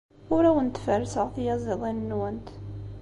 Ur awent-ferrseɣ tiyaziḍin-nwent.